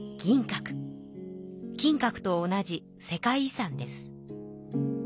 金閣と同じ世界遺産です。